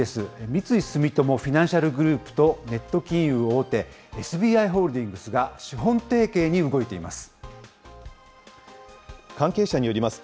三井住友フィナンシャルグループと、ネット金融大手、ＳＢＩホールディングスが、資本提携に動いています。